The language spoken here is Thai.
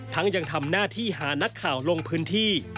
ยังทำหน้าที่หานักข่าวลงพื้นที่